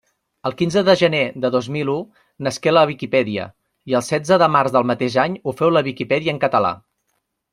El quinze de gener de dos mil u nasqué la Viquipèdia i el setze de març del mateix any ho féu la Viquipèdia en català.